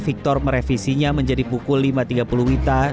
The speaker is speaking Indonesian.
victor merevisinya menjadi pukul lima tiga puluh wita